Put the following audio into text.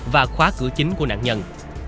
và khóa cửa chính của nạn nhân